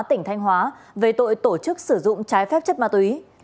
tỉnh thanh hóa về tội tổ chức sử dụng trái phép chất ma túy